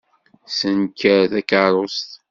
Ssenker takeṛṛust.